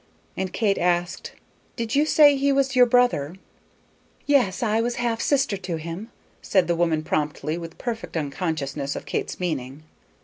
And Kate asked, "Did you say he was your brother?" "Yes. I was half sister to him," said the woman, promptly, with perfect unconsciousness of Kate's meaning.